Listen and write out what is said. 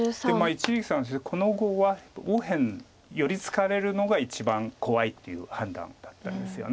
一力さんとしてはこの碁は右辺寄り付かれるのが一番怖いっていう判断だったんですよね。